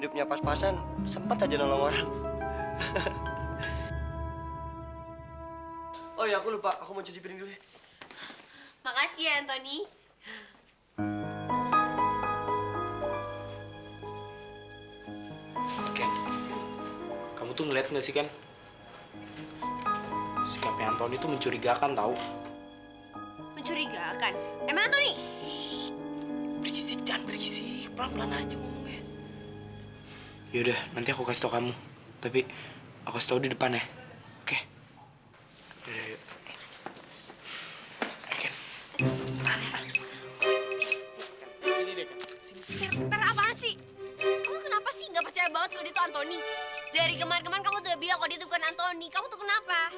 dari kemar kemar kamu udah bilang kalau dia tuh bukan antoni kamu tuh kenapa